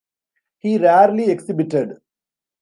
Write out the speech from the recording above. He rarely exhibited.